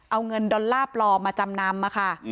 เอาเงินดอลลาร์ปลอมมาจำนำมาค่ะ